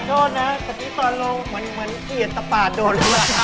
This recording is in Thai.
สักทีตอนลงมันเหยียดตะปาดโดน